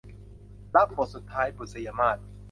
รักบทสุดท้าย - บุษยมาส